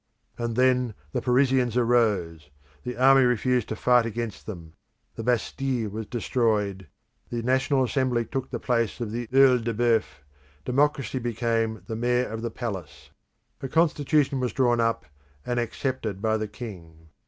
And then the Parisians arose; the army refused to fight against them; the Bastille was destroyed; the National Assembly took the place of the OEil de Boeuf: democracy became the Mayor of the Palace. A constitution was drawn up, and was accepted by the king.